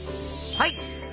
はい！